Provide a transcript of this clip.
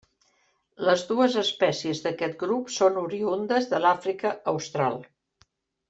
Les dues espècies d'aquest grup són oriündes de l'Àfrica Austral.